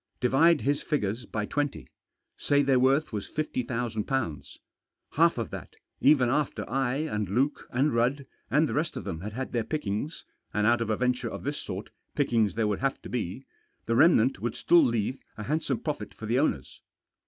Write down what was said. Divide his figures by twenty. Say their worth was ^50,000. Half of that, even after I, and Luke, and Rudd, and the rest of them had had their pickings — and out of a venture of this sort pickings there would have to be — the remnant would still leave a handsome profit for the owners.